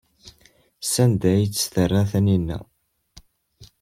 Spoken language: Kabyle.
Sanda ay tt-terra Taninna?